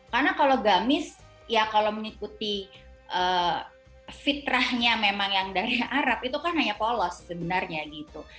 karena kalau gamis ya kalau mengikuti fitrahnya memang yang dari arab itu kan hanya polos sebenarnya gitu